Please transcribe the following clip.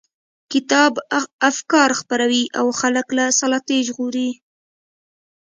کتاب افکار خپروي او خلک له سلطې ژغوري.